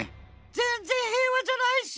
ぜんぜん平和じゃないし！